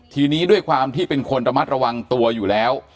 ทีนี้ด้วยความที่เป็นคนระมัดระวังตัวอยู่แล้ว